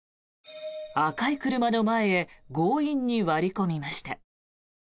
赤い車の前へ強引に割り込みました。